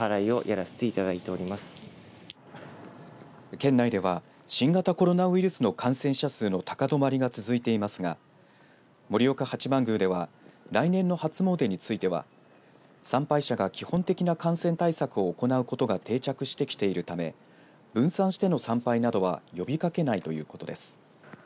県内では新型コロナウイルスの感染者数の高止まりが続いていますが盛岡八幡宮では来年の初詣については参拝者が基本的な感染対策を行うことが定着してきているため分散しての参拝などは呼びかけないということです。